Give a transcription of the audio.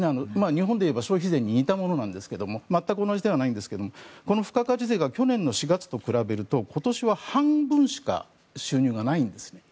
日本でいえば消費税に似たものですが全く同じではないんですがこの付加価値税が去年の４月と比べると今年は半分しか収入がないんですね。